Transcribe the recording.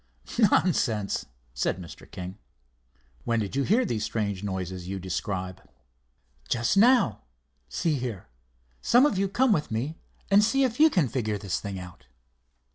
"Nonsense!" said Mr. King. "When did you hear these strange noises you describe?" "Just now. See here, some of you come with me and see if you can figure this thing out."